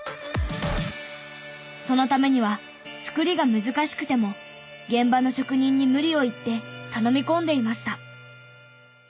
そのためには作りが難しくても現場の職人に無理を言って頼み込んでいました。